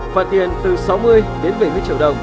phạt tiền từ sáu mươi đến bảy mươi triệu đồng